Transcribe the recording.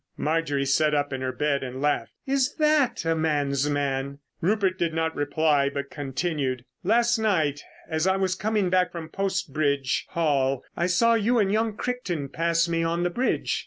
Marjorie sat up in her bed and laughed. "Is that a man's man?" Rupert did not reply, but continued: "Last night, as I was coming back from Post Bridge Hall, I saw you and young Crichton pass me on the bridge.